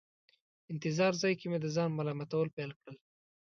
انتظار ځای کې مې د ځان ملامتول پیل کړل.